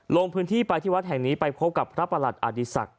ลงพื้นที่ไปที่วัดแห่งนี้ไปพบกับพระประหลัดอดีศักดิ